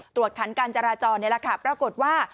ขันการจราจรนี่แหละค่ะปรากฏว่า